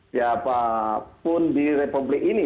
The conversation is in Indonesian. siapapun di republik ini